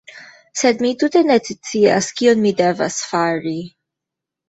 Sed mi tute ne scias kion mi devas fari